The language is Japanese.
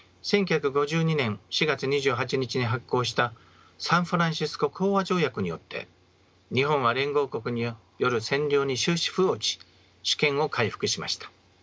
１９５２年４月２８日に発効したサンフランシスコ講和条約によって日本は連合国による占領に終止符を打ち主権を回復しました。